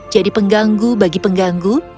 jadi pengganggu bagi pengganggu